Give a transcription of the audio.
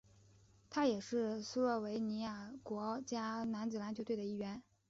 他也是斯洛维尼亚国家男子篮球队的一员。